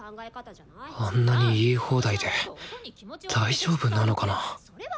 あんなに言い放題で大丈夫なのかな？